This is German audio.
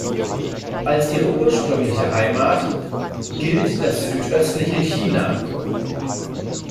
Als ihre ursprüngliche Heimat gilt das südöstliche China.